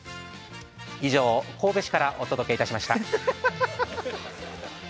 以上、神戸市からお届けいたしました。